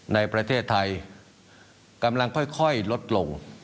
ในประเทศไทยกำลังค่อยลดลง